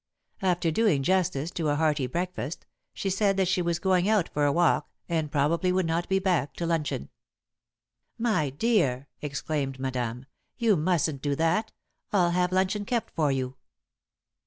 After doing justice to a hearty breakfast, she said that she was going out for a walk and probably would not be back to luncheon. "My dear!" exclaimed Madame. "You mustn't do that. I'll have luncheon kept for you."